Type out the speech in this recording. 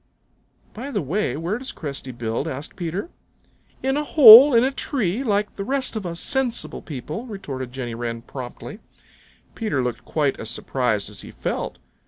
"By the way, where does Cresty build?" asked Peter. "In a hole in a tree, like the rest of us sensible people," retorted Jenny Wren promptly. Peter looked quite as surprised as he felt.